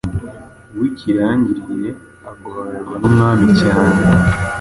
wikirangirire, agororerwa n’umwami cyane,